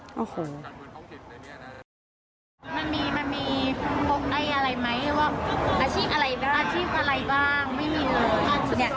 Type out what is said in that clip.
มันมีอะไรไหมว่าอาชีพอะไรบ้างไม่มีเลย